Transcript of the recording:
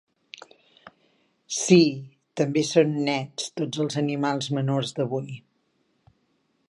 Sí, també són nets tots els animals menors d'avui.